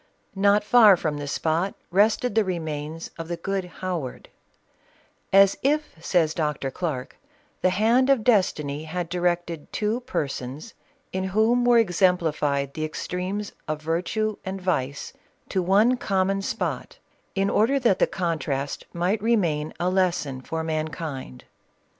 Not far from the spot rested the remains of the good Howard, " As if," says Dr. Clarke, " the hand of des tiny had directed two persons, in whom were exempli fied the extremes of virtue and vice, to one common spot, in order that the contrast might remain a lesson for mankind."